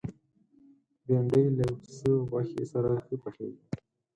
بېنډۍ له پسه غوښې سره ښه پخېږي